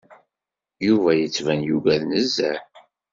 Yuba yettban yugad nezzeh.